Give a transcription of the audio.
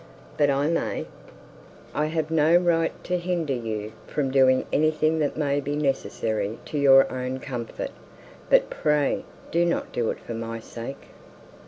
'But I may.' 'I have no right to hinder you from doing anything that may be necessary to your own comfort, but pray do not do it for my sake.